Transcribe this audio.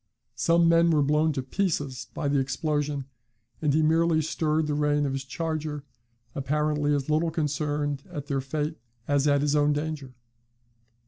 Some men were blown to pieces by the explosion, and he merely stirred the rein of his charger, apparently as little concerned at their fate as at his own danger.